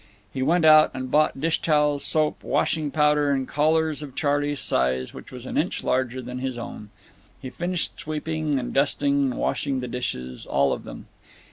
He went out and bought dish towels, soap, washing powder, and collars of Charley's size, which was an inch larger than his own. He finished sweeping and dusting and washing the dishes—all of them.